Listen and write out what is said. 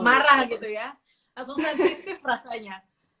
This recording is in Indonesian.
marah gitu ya langsung sensitif rasanya